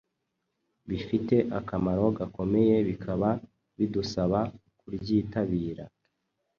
bifite akamaro gakomeye bikaba bidusaba kuryitabira.